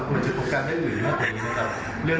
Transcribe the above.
ควรจะพบกันเรื่องอื่นมากกว่านี้นะครับ